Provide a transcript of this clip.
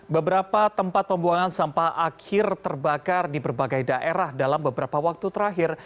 beberapa tempat pembuangan sampah akhir terbakar di berbagai daerah dalam beberapa waktu terakhir